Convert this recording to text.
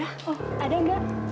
oh ada nggak